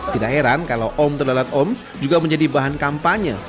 tidak heran kalau om telelat om juga menjadi bahan kampanye